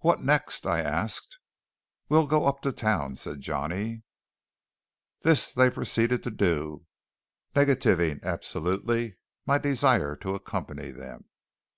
"What next?" I asked. "We'll go up to town," said Johnny. This they proceeded to do, negativing absolutely my desire to accompany them.